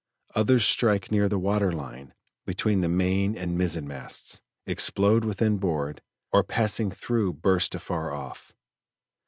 Others strike near the water line between the main and mizzen masts, explode within board, or passing through burst afar off.